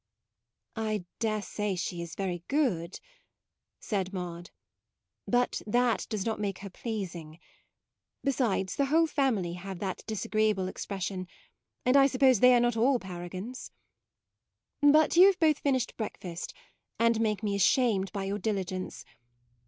"I daresay she is very good"; said Maude :" but that does not make her pleasing. Besides, the whole family have that disagreeable expression, and I suppose they are not all paragons. But you have both finished breakfast, and make me ashamed by your diligence.